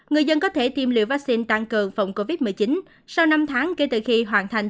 người dân có thể tiêm liều vaccine tăng cường phòng covid một mươi chín sau năm tháng kể từ khi hoàn thành